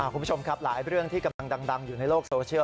คุณผู้ชมครับหลายเรื่องที่กำลังดังอยู่ในโลกโซเชียล